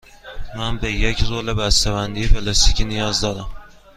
من به یک رول بسته بندی پلاستیکی نیاز دارم.